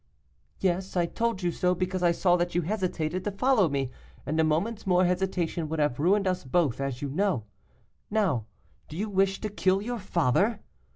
'Yes, I told you so, because I saw that you hesitated to follow me, and a moment's more hesitation would have ruined us both, as you know. Now, do you wish to kill your father?